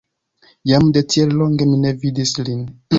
Jam de tiel longe mi ne vidis lin.